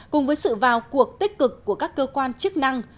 cùng với sự vào cuộc tích cực của các cơ quan chức năng